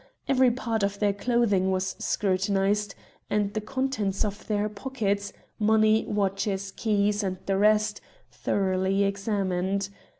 Every part of their clothing was scrutinised, and the contents of their pockets, money, watches, keys, and the rest, thoroughly examined.